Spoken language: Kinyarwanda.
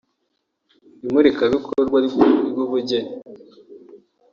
imurikabikorwa ry’ubugeni